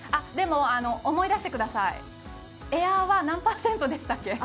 でも、思い出してくださいエアは何パーセントでしたっけ？